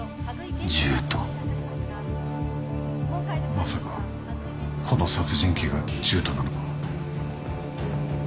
まさかこの殺人鬼がジュートなのか？